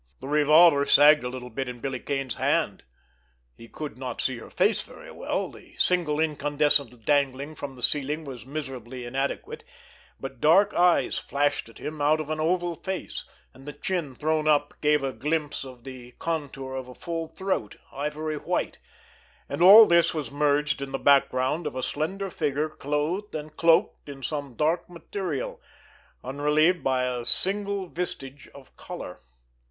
The revolver sagged a little in Billy Kane's hand. He could not see her face very well, the single incandescent dangling from the ceiling was miserably inadequate, but dark eyes flashed at him out of an oval face, and the chin thrown up gave a glimpse of the contour of a full throat, ivory white—and all this was merged in the background of a slender figure clothed and cloaked in some dark material, unrelieved by a single vistage of color.